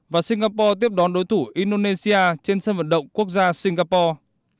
và singapore tiếp đón đối thủ indonesia trên sân vận động quốc gia singapore